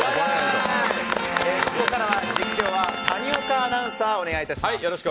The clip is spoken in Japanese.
ここからは、実況は谷岡アナウンサーお願いします。